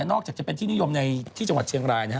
อกจากจะเป็นที่นิยมในที่จังหวัดเชียงรายนะฮะ